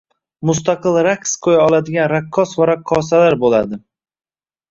mustaqil raqs qo‘ya oladigan raqqos va raqqosalar bo‘ladi.